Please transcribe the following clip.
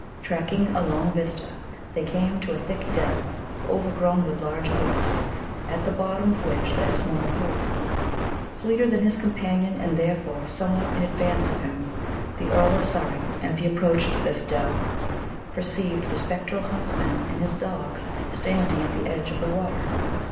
Tracking a long vista, they came to a thick dell, overgrown with large oaks, at the bottom of which lay a small pool. Fleeter than his companion, and therefore somewhat in advance of him, the Earl of Surrey, as he approached this dell, perceived the spectral huntsman and his dogs standing at the edge of the water.